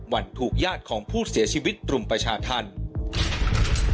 วันถูกญาติของผู้เสียชีวิตรุมประชาธรรม